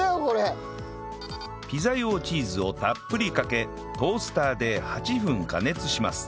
ピザ用チーズをたっぷりかけトースターで８分加熱します